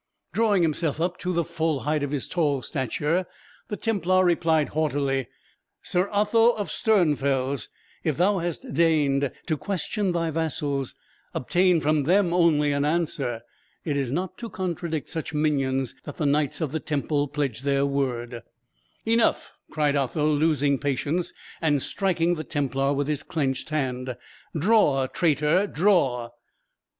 Drawing himself up to the full height of his tall stature, the Templar replied haughtily: "Sir Otho of Sternfels, if thou hast deigned to question thy vassals, obtain from them only an answer. It is not to contradict such minions that the knights of the Temple pledge their word!" "Enough," cried Otho, losing patience, and striking the Templar with his clenched hand. "Draw, traitor, draw!"